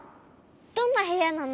どんなへやなの？